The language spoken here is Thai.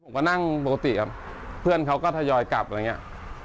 ผมก็นั่งปกติครับเพื่อนเขาก็ทยอยกลับอะไรอย่างนี้